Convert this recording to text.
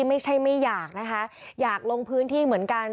ไม่ใช่ไม่อยากนะคะอยากลงพื้นที่เหมือนกัน